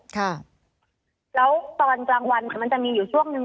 ค่ะแล้วตอนกลางวันมันจะมีอยู่ช่วงหนึ่ง